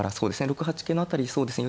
６八桂の辺りそうですね